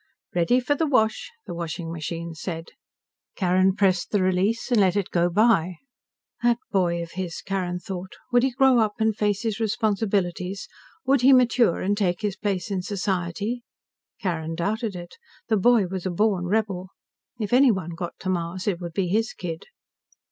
"Ready for the wash," the washing machine said. Carrin pressed the release and let it go by. That boy of his, Carrin thought. Would he grow up and face his responsibilities? Would he mature and take his place in society? Carrin doubted it. The boy was a born rebel. If anyone got to Mars, it would be his kid.